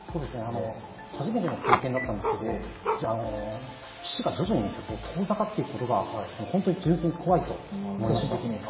初めての経験だったんですけど岸が徐々に遠ざかっていくことが本当に純粋に怖いと思いました。